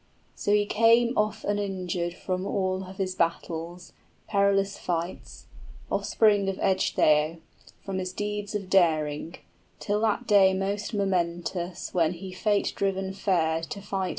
} So he came off uninjured from all of his battles, Perilous fights, offspring of Ecgtheow, From his deeds of daring, till that day most momentous 10 When he fate driven fared to fight with the dragon.